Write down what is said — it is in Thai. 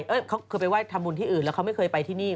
เขาเคยไปไห้ทำบุญที่อื่นแล้วเขาไม่เคยไปที่นี่